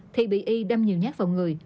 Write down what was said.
thì bị y đâm nhiều nhát vào người